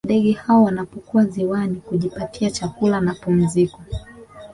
Ndege hao wanapokuwa ziwani kujipatia chakula na pumziko